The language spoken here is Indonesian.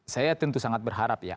saya tentu sangat berharap ya